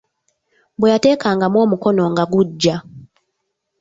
Bwe yateekangamu omukono nga guggya.